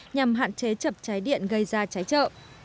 nhằm hạn chế chập cháy điện gây ra cháy trợ